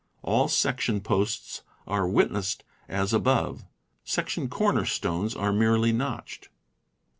All section posts are "witnessed" as above. Section corner stones are merely notched.